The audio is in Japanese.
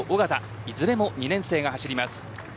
いずれも２年生が走ります。